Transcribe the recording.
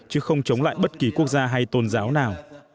chứ không chống lại bất kỳ quốc gia hay tôn giáo nào